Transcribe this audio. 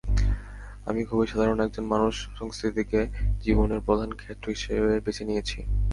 আমি খুবই সাধারণ একজন মানুষ, সংস্কৃতিকে জীবনের প্রধান ক্ষেত্র হিসেবে বেছে নিয়েছি।